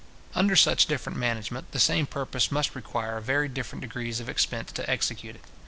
Under such different management, the same purpose must require very different degrees of expense to execute it.